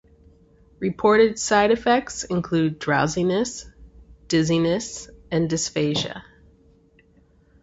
Reported side effects include drowsiness, dizziness, and dysphagia.